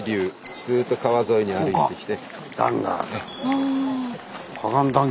ずっと川沿いに歩いてきて。